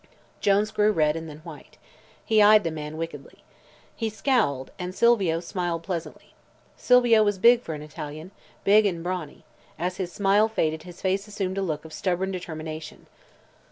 Jones grew red and then white. He eyed the man wickedly. He scowled, and Silvio smiled pleasantly. Silvio was big for an Italian; big and brawny; as his smile faded his face assumed a look of stubborn determination.